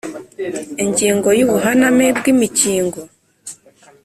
Ingingo ya Ubuhaname bw imikingo